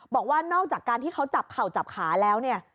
บอกว่านอกจากการที่เขาจับเข่าจับขาแล้วเนี่ย